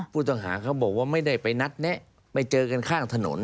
ผู้ต้องหาเขาบอกว่าไม่ได้ไปนัดแนะไปเจอกันข้างถนน